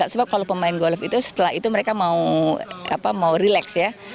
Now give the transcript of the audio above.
sebab kalau pemain golf itu setelah itu mereka mau relax ya